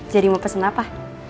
jadi mau pesen apa